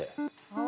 あ。